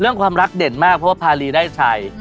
เรื่องความรักเด่นมากเพราะว่าภารีได้ใช้